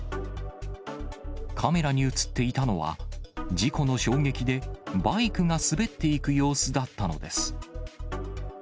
カメラに写っていたのは、事故の衝撃でバイクが滑っていく様子だったのです。